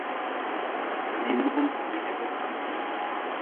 Bii mugm n heb.